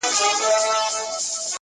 o حقيقت د وخت قرباني کيږي تل,